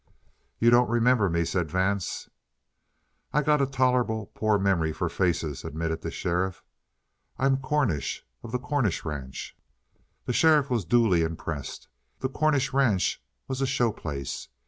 "You don't remember me," said Vance. "I got a tolerable poor memory for faces," admitted the sheriff. "I'm Cornish, of the Cornish ranch." The sheriff was duly impressed. The Cornish ranch was a show place.